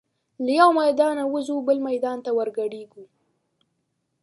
له یوه میدانه وزو بل میدان ته ور ګډیږو